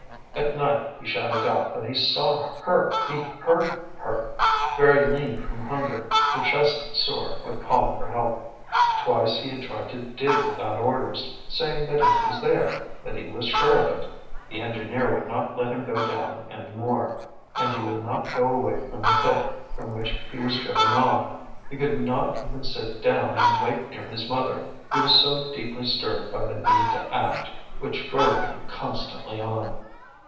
At night he shouted out that he saw, her, he heard her, very lean from hunger, her chest sore with calling for help. Twice he had tried to dig without orders, saying that it was there, that he was sure of it. The engineer would not let him go down any more, and he would not go away from the pit, from which he was driven off; he could not even sit down and wait near his mother, he was so deeply stirred by the need to act, which drove him constantly on.